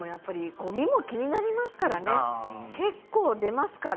ごみも気になりますからね結構出るから。